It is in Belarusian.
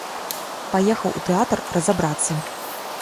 Паехаў у тэатр разабрацца.